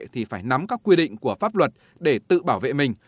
thì phải nắm các quy định của pháp luật để tự bảo vệ mình